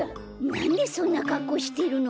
なんでそんなかっこうしてるの？